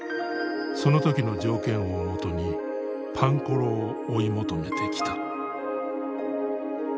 その時の条件をもとにパンコロを追い求めてきた。